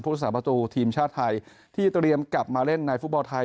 รักษาประตูทีมชาติไทยที่เตรียมกลับมาเล่นในฟุตบอลไทย